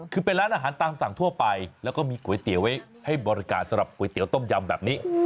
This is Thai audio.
คือเป็นร้านอาหารตามสั่งทั่วไปแล้วก็มีก๋วยเตี๋ยวไว้ให้บริการสำหรับก๋วยเตี๋ยต้มยำแบบนี้